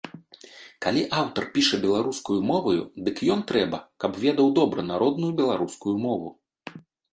Калі аўтар піша беларускаю моваю, дык ён трэба, каб ведаў добра народную беларускую мову.